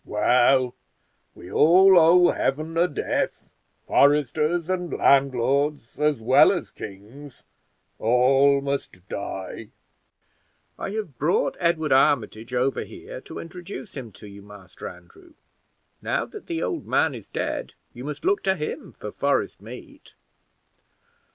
Well, we all owe Heaven a death. Foresters and landlords, as well as kings, all must die!" "I have brought Edward Armitage over here to introduce him to you, Master Andrew. Now that the old man is dead, you must look to him for forest meat."